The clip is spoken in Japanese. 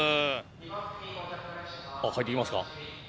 あ入ってきますか。